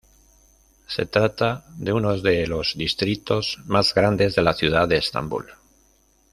Se trata de uno de los distritos más grandes de la ciudad de Estambul.